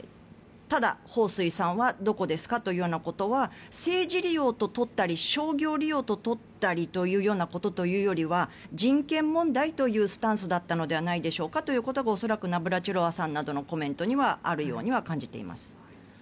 ただ、ホウ・スイさんはどこですかというようなことは政治利用ととったり商業利用ととったりというようなことよりは人権問題というスタンスだったのではないでしょうかということが恐らくナブラチロワさんなどのコメントにはあるように感じています。